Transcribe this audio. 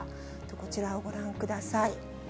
こちらをご覧ください。